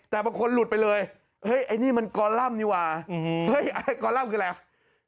แต่บางคนหลุดไปเลยเฮ้ยไอ้นี่มันกอลัมนี่ว่าเฮ้ยอะไรกอลัมป์คืออะไร